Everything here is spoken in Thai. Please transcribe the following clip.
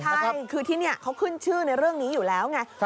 ใช่คือที่นี่เขาขึ้นชื่อในเรื่องนี้อยู่แล้วไง